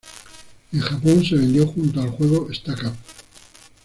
En Japón se vendió junto al juego "Stack-Up".